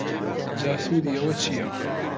جا سوودی ئەوە چیە؟